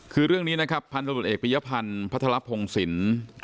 คือเรื่องนี้นะครับพันธบทเอกปริยพันธ์พัทรพงศิลป์